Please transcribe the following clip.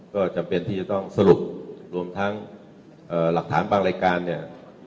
ก็จำเป็นที่จะต้องสรุปรวมทั้งหลักฐานบางรายการเนี่ย